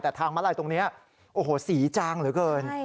แต่ทางมาลัยตรงนี้โอ้โหสีจางเหลือเกิน